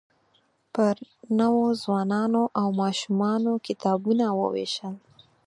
پر نوو ځوانانو او ماشومانو کتابونه ووېشل.